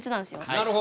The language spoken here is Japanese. なるほど。